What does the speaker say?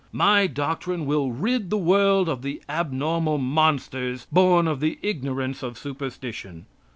My doctrine will rid the world of the abnormal monsters born of the ignorance of superstition.